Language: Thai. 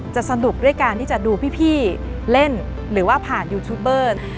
สนุกด้วยการที่จะดูพี่เล่นหรือว่าผ่านยูทูบเบอร์